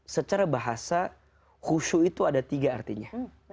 secara bahasa khusyuk itu ada tiga artinya